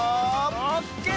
オッケー！